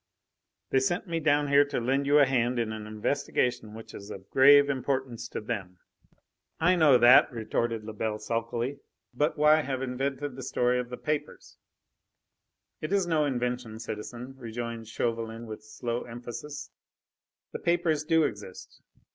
They sent me down here to lend you a hand in an investigation which is of grave importance to them." "I know that!" retorted Lebel sulkily. "But why have invented the story of the papers?" "It is no invention, citizen," rejoined Chauvelin with slow emphasis. "The papers do exist.